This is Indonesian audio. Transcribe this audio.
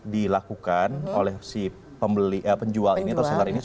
dilakukan oleh si penjual ini atau center ini